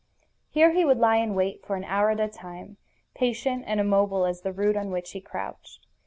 Here he would lie in wait for an hour at a time, patient and immobile as the root on which he crouched.